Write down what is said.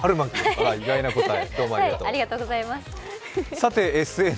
意外な答え。